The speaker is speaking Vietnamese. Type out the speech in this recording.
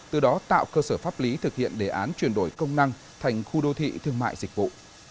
từ đó tạo cơ sở pháp lý thực hiện đề án chuyển đổi công năng thành khu đô thị thương mại dịch vụ